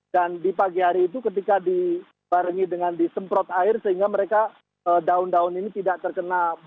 dan di pagi hari itu ketika dibarengi dengan disemprot air sehingga mereka daun daun ini tidak terkena embun